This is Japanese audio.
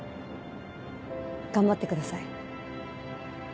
頑張ってください。